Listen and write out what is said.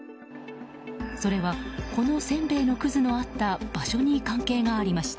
それは、このせんべいのくずのあった場所に関係がありました。